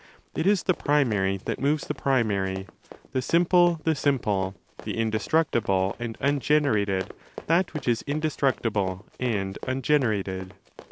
It is the primary that moves the primary, the simple the simple, the indestructible and ungenerated that which is indestruc tible and ungenerated.